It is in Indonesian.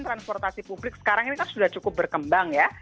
transportasi publik sekarang ini kan sudah cukup berkembang ya